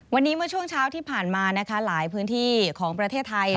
วันนี้เมื่อช่วงเช้าที่ผ่านมานะคะหลายพื้นที่ของประเทศไทย